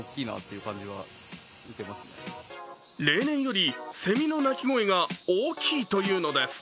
例年より、セミの鳴き声が大きいというのです。